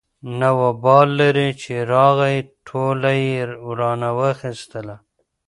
نه وبال لري چې راغی ټوله يې رانه واخېستله.